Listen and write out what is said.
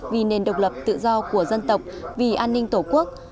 vì nền độc lập tự do của dân tộc vì an ninh tổ quốc